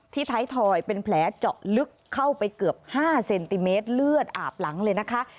ท้ายถอยเป็นแผลเจาะลึกเข้าไปเกือบ๕เซนติเมตรเลือดอาบหลังเลยนะคะ